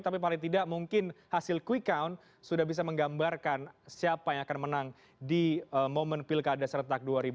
tapi paling tidak mungkin hasil quick count sudah bisa menggambarkan siapa yang akan menang di momen pilkada serentak dua ribu dua puluh